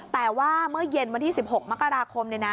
แต่ว่าเมื่อเย็นวันที่๑๖มกราคม